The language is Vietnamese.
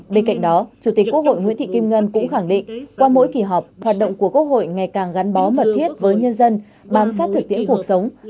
bên cạnh đó chủ tịch quốc hội nguyễn thị kim ngân cũng khẳng định qua mỗi kỳ họp hoạt động của quốc hội ngày càng gắn bó mật thiết với nhân dân bám sát thực tiễn cuộc sống